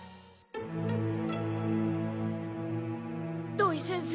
土井先生。